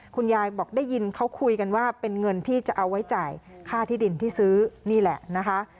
คุณยายบอกได้ยินเขาคุยกันว่าเป็นเงินที่จะเอาไว้จ่ายค่าที่ดินที่ซื้อนี่แหละนะคะ